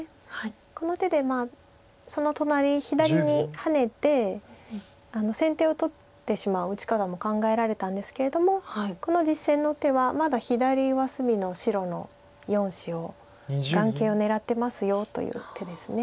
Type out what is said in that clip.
この手でその隣左にハネて先手を取ってしまう打ち方も考えられたんですけれどもこの実戦の手はまだ左上隅の白の４子を眼形を狙ってますよという手です。